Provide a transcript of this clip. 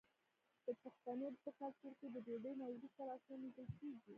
د پښتنو په کلتور کې د ډوډۍ نه وروسته لاسونه مینځل کیږي.